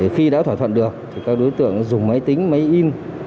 khi đã thỏa thuận được các đối tượng dùng máy tính máy in